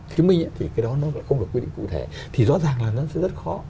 chứng minh thì cái đó nó lại không được quy định cụ thể thì rõ ràng là nó sẽ rất khó